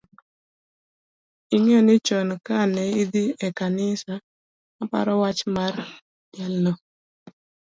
ing'eyo ni chon ka na dhi e kanisa aparo wach mar jalno